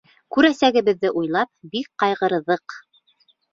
Күрәсәгебеҙҙе уйлап, бик ҡайғырҙыҡ.